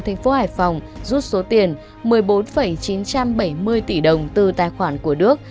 thành phố hải phòng rút số tiền một mươi bốn chín trăm bảy mươi tỷ đồng từ tài khoản của đức